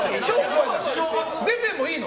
出てもいいの？